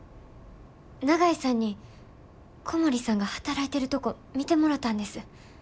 長井さんに小森さんが働いてるとこ見てもろたんです。